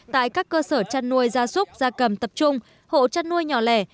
tại các cơ sở chăn nuôi gia súc gia cầm tập trung hộ chăn nuôi nhỏ lẻ